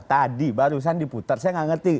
tadi barusan diputar saya nggak ngerti